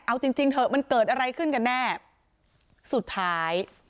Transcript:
เอาจริงจริงเถอะมันเกิดอะไรขึ้นกันแน่สุดท้าย